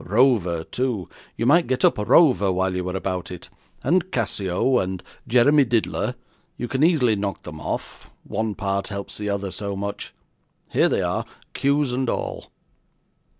Rover too; you might get up Rover while you were about it, and Cassio, and Jeremy Diddler. You can easily knock them off; one part helps the other so much. Here they are, cues and all.